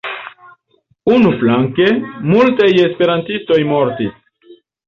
Unuflanke, multaj esperantistoj mortis.